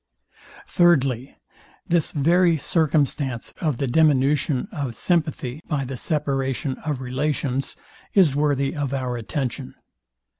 Thirdly, This very circumstance of the diminution of sympathy by the separation of relations is worthy of our attention.